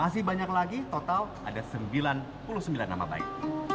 dan masih banyak lagi total ada sembilan puluh sembilan nama baik